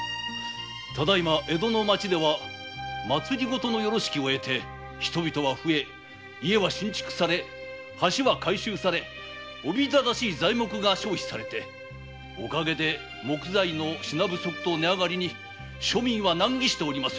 ただいま江戸の町では政のよろしきを得て人々は増え家は新築され橋は改修されおびただしい材木が消費されてお陰で木材の品不足と値上がりに庶民は難儀しておりまする。